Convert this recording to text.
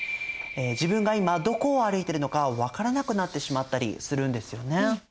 自分が今どこを歩いてるのか分からなくなってしまったりするんですよね。